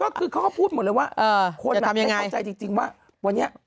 ก็คือเขาก็พูดหมดเลยว่าคนไม่เข้าใจจริงว่าวันนี้